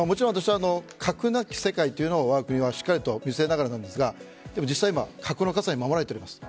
核なき世界というのはわが国はしっかりと見据えながらですが実際、核の傘に守られているわけです。